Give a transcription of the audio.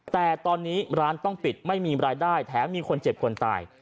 แต่ตอนนี้ร้านต้องปิดไม่มีรายได้แถมมีคนเจ็บคนตาย